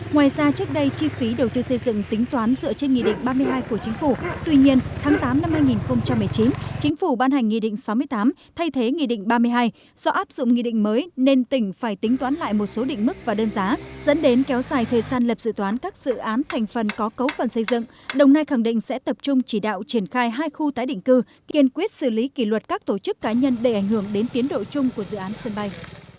ngoài ra trước đây chi phí đầu tư xây dựng tính toán dựa trên nghị định ba mươi hai của chính phủ tuy nhiên tháng tám năm hai nghìn một mươi chín chính phủ ban hành nghị định sáu mươi tám thay thế nghị định ba mươi hai do áp dụng nghị định mới nên tỉnh phải tính toán lại một số định mức và đơn giá dẫn đến kéo dài thời gian lập dự toán các dự án thành phần có cấu phần xây dựng đồng nai khẳng định sẽ tập trung chỉ đạo triển khai hai khu tái định cư kiên quyết xử lý kỷ luật các tổ chức cá nhân để ảnh hưởng đến tiến độ chung của dự án sân bay